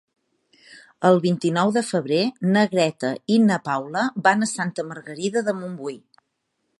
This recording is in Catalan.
El vint-i-nou de febrer na Greta i na Paula van a Santa Margarida de Montbui.